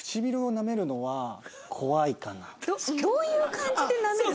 どういう感じで舐める？